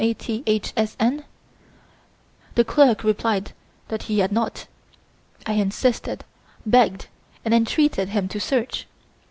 A. T. H. S. N.?' The clerk replied that he had not. I insisted, begged and entreated him to search.